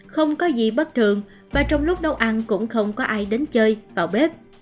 không có gì bất thường mà trong lúc nấu ăn cũng không có ai đến chơi vào bếp